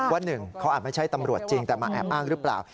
ว่าหนึ่งเขาอาจไม่ใช่ตำรวจจริงแต่มาแอบอ้างหรือเปล่า